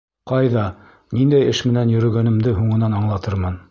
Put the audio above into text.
Ҡайҙа, ниндәй эш менән йөрөгәнемде һуңынан аңлатырмын.